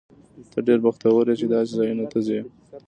ته ډېر بختور یې، چې داسې ځایونو ته ځې.